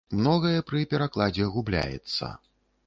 Многае пры перакладзе губляецца.